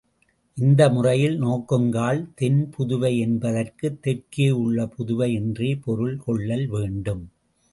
இந்த முறையில் நோக்குங்கால் தென் புதுவை என்பதற்குத் தெற்கே உள்ள புதுவை என்றே பொருள் கொள்ளல் வேண்டும்.